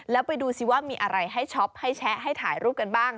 แล้วไปดูสิว่ามีอะไรให้ช็อปให้แชะให้ถ่ายรูปกันบ้าง